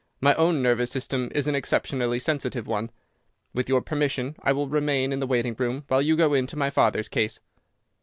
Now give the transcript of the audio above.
My own nervous system is an exceptionally sensitive one. With your permission, I will remain in the waiting room while you go into my father's case.